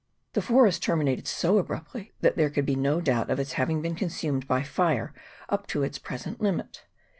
The forest terminated so abruptly, that there could be no doubt of its having been consumed by fire up to its pre sent limit.